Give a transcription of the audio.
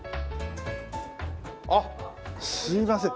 あっすいません。